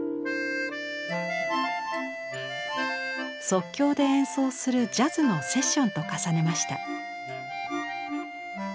即興で演奏するジャズのセッションと重ねました。